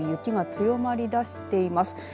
再び雪が強まりだしています。